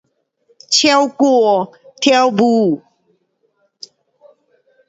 唱歌，跳舞。